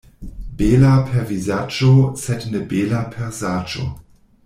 Bela per vizaĝo, sed ne bela per saĝo.